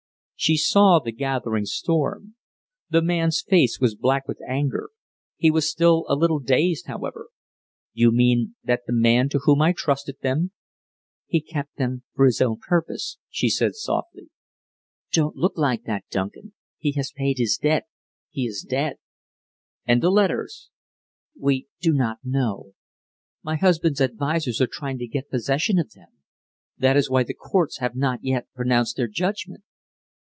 She saw the gathering storm. The man's face was black with anger. He was still a little dazed however. "You mean that the man to whom I trusted them " "He kept them for his own purpose," she said softly. "Don't look like that, Duncan. He has paid his debt. He is dead!" "And the letters?" "We do not know. My husband's advisers are trying to get possession of them. That is why the courts have not yet pronounced their judgment."